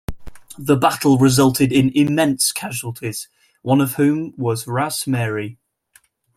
The battle resulted in immense casualties, one of whom was Ras Marye.